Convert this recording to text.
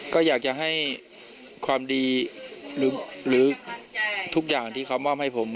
ก็อยากจะให้ความดีหรือทุกอย่างที่เขามอบให้ผม